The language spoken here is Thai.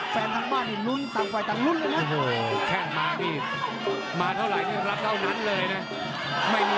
แฟนทั้งบ้านอยู่นู้นต่างฝ่ายต่างรุ่นเลยนะ